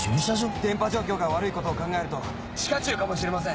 電波状況が悪いことを考えると地下駐かもしれません。